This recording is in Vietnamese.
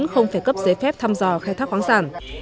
không phải cấp giấy phép thăm dò khai thác khoáng sản